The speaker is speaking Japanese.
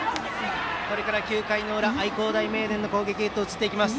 これから９回の裏愛工大名電の攻撃へ移ります。